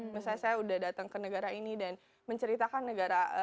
misalnya saya udah datang ke negara ini dan menceritakan negara